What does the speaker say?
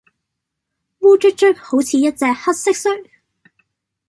烏卒卒好似一隻黑蟋蟀